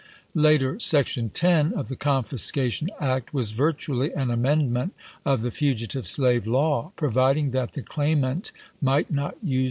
Later, Section 10 of the Confiscation Act was virtually an amendment of the fugitive ^pproved slave law ; providing that the claimant might not 1862.